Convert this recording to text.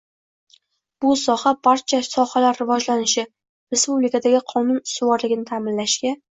«Bu soha boshqa barcha sohalar rivojlanishi, respublikadagi qonun ustuvorligini ta’minlashga